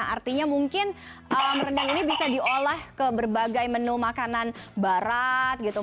artinya mungkin alam rendang ini bisa diolah ke berbagai menu makanan barat gitu